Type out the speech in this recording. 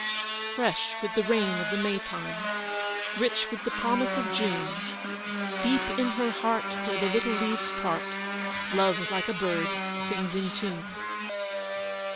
Fresh with the rain of the May time, Rich with the promise of June, Deep in her heart, where the little leaves part, Love, like a bird, sings in tune!